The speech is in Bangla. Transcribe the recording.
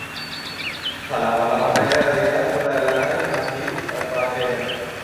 শালা, গলা ফাটাইয়া গাইয়া, পুরা এলাকায় নাচি, তারপর আসে এই টাকা।